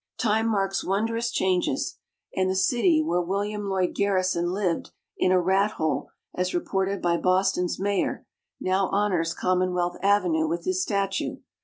Time marks wondrous changes; and the city where William Lloyd Garrison lived in "a rat hole," as reported by Boston's Mayor, now honors Commonwealth Avenue with his statue.